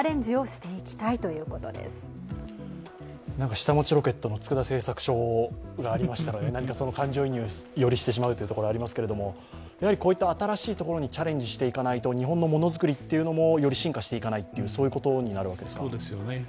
「下町ロケット」の佃製作所がありましたので感情移入を、よりしてしまうというところがありますけれども、新しいところにチャレンジしていかないと、日本のものづくりもより進化していかないということになるわけですか。